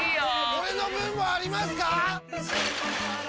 俺の分もありますか！？